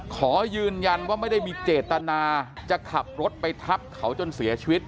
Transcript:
ขอยืนยันว่าไม่ได้มีเจตนาจะขับรถไปทับเขาจนเสียชีวิต